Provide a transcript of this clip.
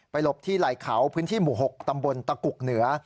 หลบที่ไหล่เขาพื้นที่หมู่๖ตำบลตะกุกเหนือ